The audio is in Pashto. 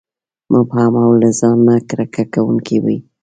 مبهم او له ځان نه کرکه کوونکي وي.